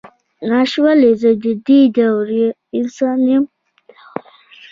ناش ولئ، زه ددې دور انسان.